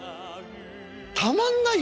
たまんないよ